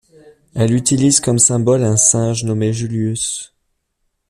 Elle utilise comme symbole un singe nommé Julius.